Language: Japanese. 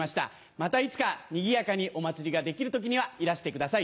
またいつかにぎやかにお祭りができる時にはいらしてください。